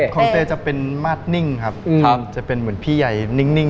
ของแต่จะเป็นมาดนิ่งแบบพี่ใหญ่นิ่งนิ่ง